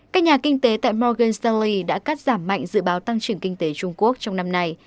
các nhà kinh tế tại morgan stole đã cắt giảm mạnh dự báo tăng trưởng kinh tế trung quốc trong năm nay